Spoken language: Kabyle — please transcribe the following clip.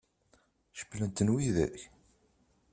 Cewwlen-ten widak?